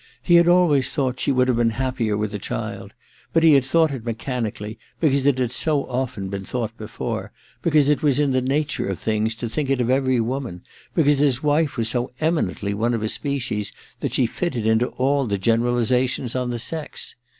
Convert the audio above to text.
He had always thought she would have been happier with a child; but he had thought it mechanically, because it had so often been i68 II THE MISSION OF JANE i^ thought before, because it was in the nature of things to think it of every woman, because his wife was so eminently one of a species that she fitted into all the generalizations on the sex.